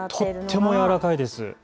とってもやわらかいです。